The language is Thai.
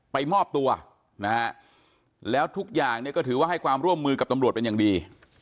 มอบตัวนะฮะแล้วทุกอย่างเนี่ยก็ถือว่าให้ความร่วมมือกับตำรวจเป็นอย่างดี